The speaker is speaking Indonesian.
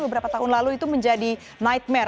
beberapa tahun lalu itu menjadi nightmare